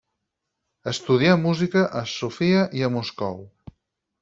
Estudià música a Sofia i a Moscou.